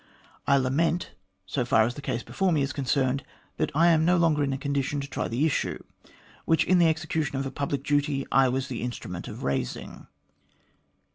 " I lament, so far as the case before me is concerned, that I am no longer in a condition to try the issue, which, in the execution of a public duty, I was the instrument of raising.